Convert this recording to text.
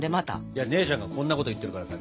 いや姉ちゃんがこんなこと言ってるからさ。